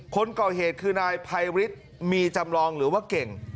คนก่อเหตุคือนายภัยฤทธิ์มีจำลองหรือว่าเก่ง